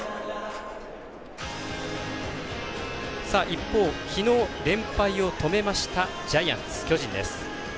一方、きのう連敗を止めましたジャイアンツです。